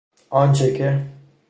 آنچه که